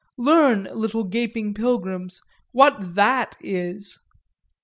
Learn, little gaping pilgrims, what that is!"